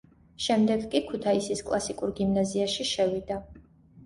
შემდეგ კი ქუთაისის კლასიკურ გიმნაზიაში შევიდა.